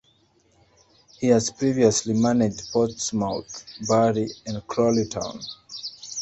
He has previously managed Portsmouth, Bury and Crawley Town.